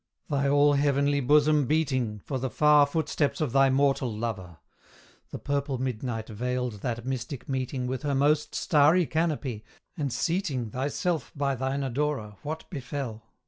thy all heavenly bosom beating For the far footsteps of thy mortal lover; The purple Midnight veiled that mystic meeting With her most starry canopy, and seating Thyself by thine adorer, what befell?